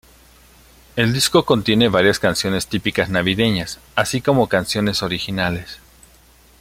El disco contiene varias canciones típicas navideñas, así como canciones originales.